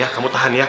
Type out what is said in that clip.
ya kamu tahan ya